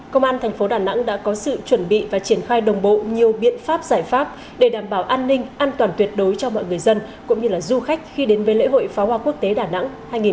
công an thành phố đà nẵng đã có sự chuẩn bị và triển khai đồng bộ nhiều biện pháp giải pháp để đảm bảo an ninh an toàn tuyệt đối cho mọi người dân cũng như là du khách khi đến với lễ hội pháo hoa quốc tế đà nẵng hai nghìn hai mươi bốn